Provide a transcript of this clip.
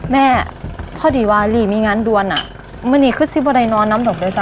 แม่พอดีวาลีมีงานด้วนมานี่ขึ้นสิบวันใดนอนน้ำตกด้วยจ้ะ